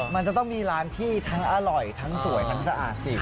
มันจะต้องมีร้านที่ทั้งอร่อยทั้งสวยทั้งสะอาดสิ